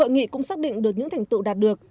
mỹ cũng xác định được những thành tựu đạt được